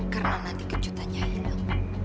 karena nanti kejutannya hilang